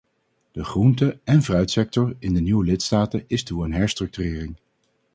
De groente- en fruitsector in de nieuwe lidstaten is toe aan herstructurering.